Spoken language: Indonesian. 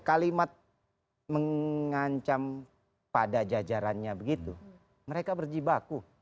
kalau penegakannya itu mengancam pada jajarannya begitu mereka berjibaku